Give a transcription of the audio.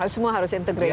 semua harus integratif